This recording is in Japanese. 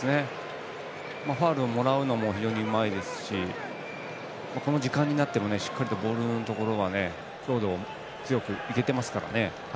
ファウルをもらうのも非常にうまいですしこの時間になってもしっかりボールのところは強度を強くいけてますから。